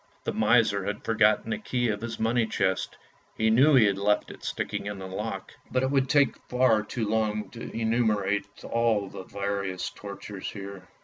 The miser had forgotten the key of his money chest, he knew he had left it sticking in the lock. But it would take far too long to enumerate all the various tortures here.